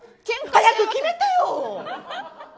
早く決めてよ。